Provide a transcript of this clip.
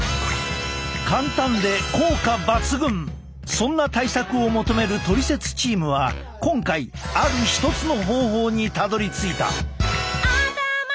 そんな対策を求めるトリセツチームは今回ある一つの方法にたどりついた！